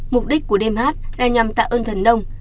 mục đích của đêm hát là nhằm tạ ơn thần nông